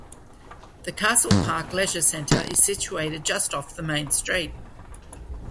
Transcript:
The Castle Park Leisure Centre is situated just off the main street.